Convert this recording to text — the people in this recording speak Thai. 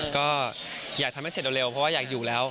ก็อยากให้เสร็จเร็วเพราะว่าอยากอยู่แล้ว